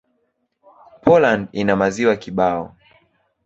Poland ina maziwa kibao.